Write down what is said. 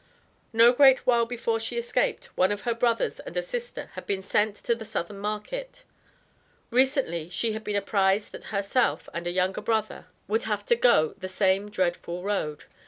No great while before she escaped, one of her brothers and a sister had been sent to the Southern market. Recently she had been apprized that herself and a younger brother would have to go the same dreadful road.